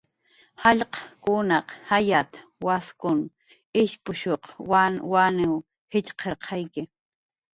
"Jallq'kunaq jayat"" waskun ishpushuq wanwanw jitxqirqayki"